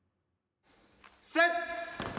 セット！